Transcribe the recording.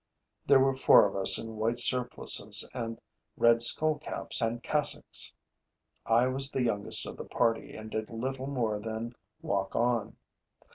There were four of us in white surplices and red skull caps and cassocks. I was the youngest of the party and did little more than walk on.